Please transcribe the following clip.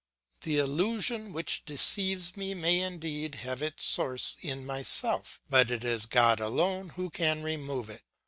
The illusion which deceives me may indeed have its source in myself, but it is God alone who can remove it.